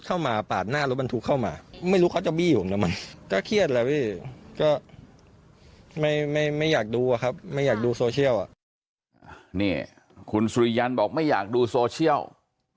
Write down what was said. ครับไม่อยากดูโซเชียลอ่ะนี่คุณสุริยันทร์บอกไม่อยากดูโซเชียล